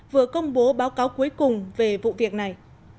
vừa công bố báo cáo cuối cùng về vụ việc này